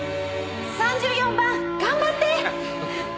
３４番頑張って！